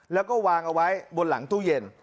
แล้วก็วางเอาไว้บนหลังตู้เย็น